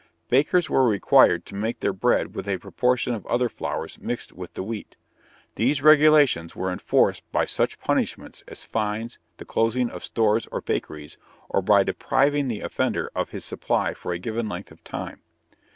Bakers were required to make their bread with a proportion of other flours mixed with the wheat. These regulations were enforced by such punishments as fines, the closing of stores or bakeries, or by depriving the offender of his supply for a given length of time.